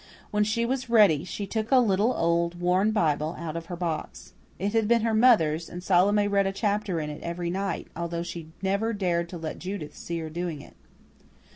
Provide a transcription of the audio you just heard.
When she was ready, she took a little old worn Bible out of her box. It had been her mother's, and Salome read a chapter in it every night, although she never dared to let Judith see her doing it.